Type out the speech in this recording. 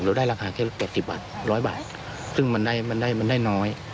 เราได้ราคาแค่๘๐บาท๑๐๐บาทซึ่งมันได้น้อย